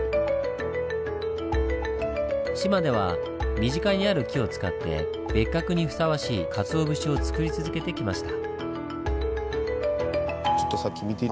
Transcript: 志摩では身近にある木を使って別格にふさわしいカツオ節をつくり続けてきました。